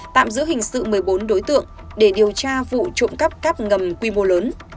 tạm giữ hình sự một mươi bốn đối tượng để điều tra vụ trộm cắp cáp ngầm quy mô lớn